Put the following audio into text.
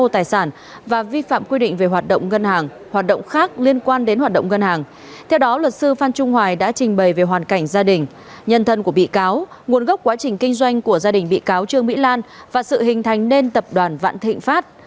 theo đó luật sư phan trung hoài đã trình bày về hoàn cảnh gia đình nhân thân của bị cáo nguồn gốc quá trình kinh doanh của gia đình bị cáo trương mỹ lan và sự hình thành nên tập đoàn vạn thịnh pháp